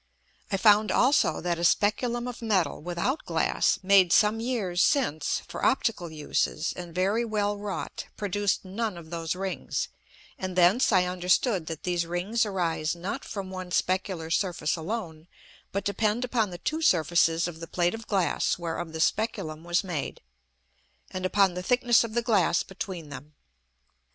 I found also that a Speculum of Metal without Glass made some Years since for optical uses, and very well wrought, produced none of those Rings; and thence I understood that these Rings arise not from one specular Surface alone, but depend upon the two Surfaces of the Plate of Glass whereof the Speculum was made, and upon the thickness of the Glass between them.